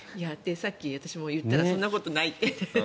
さっき私も言ったらそんなことないって。